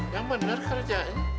yang benar kerjanya